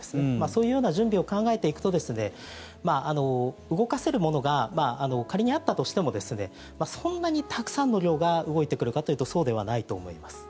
そういうような準備を考えていくとですね動かせるものが仮にあったとしてもそんなにたくさんの量が動いてくるかというとそうではないと思います。